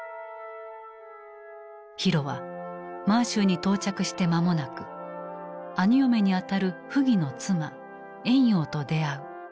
浩は満州に到着して間もなく兄嫁にあたる溥儀の妻婉容と出会う。